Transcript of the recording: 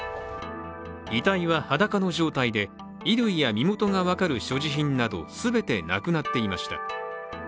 遺体は裸の状態で、衣類や身元が分かる所持品など全てなくなっていました。